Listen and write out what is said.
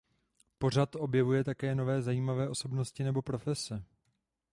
Pořad objevuje také nové zajímavé osobnosti nebo profese.